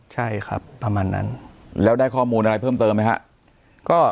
ใช่ครับประมาณนั้นแล้วได้ข้อมูลอะไรเพิ่มเติมไหมครับ